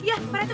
iya pak rete